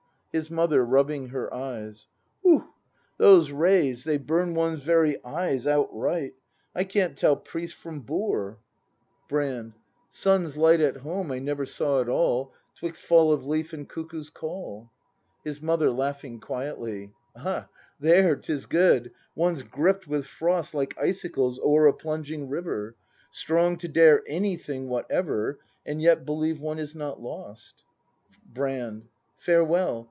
His Mother. [Rubbing her eyes.] Hoo, those rays. They burn one's very eyes outright; I can't tell priest from boor. 84 BRAND [act ii Brand. Sun's light At home I never saw at all 'Twixt fall of leaf and cuckoo's call. His Mother. [Laughing quietly.] Ay, there 'tis good. One's gripped with frost Like icicles o'er a plunging river, Strong to dare anything whatever, — And yet believe one is not lost. Brand Farewell.